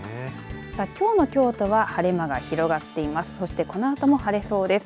きょうの京都は晴れ間が広まっています。